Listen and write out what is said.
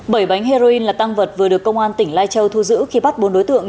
bảy bánh heroin là tăng vật vừa được công an tỉnh lai châu thu giữ khi bắt bốn đối tượng